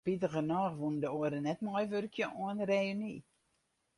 Spitigernôch woene de oaren net meiwurkje oan de reüny.